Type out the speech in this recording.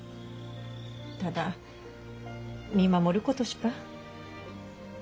ただ見守ることしか。